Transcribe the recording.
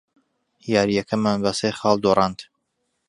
یارییەکەمان بە سێ خاڵ دۆڕاند.